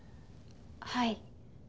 はい。